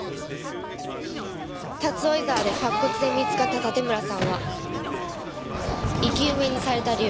竜追沢で白骨で見つかった盾村さんは生き埋めにされた竜。